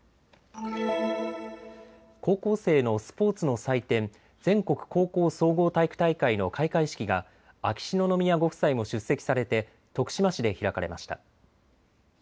高校生のスポーツの祭典、全国高校総合体育大会の開会式が秋篠宮ご夫妻も出席されて徳島市で開かれました。